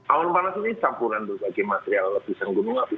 awan panas ini campuran berbagai material lepisan gunung api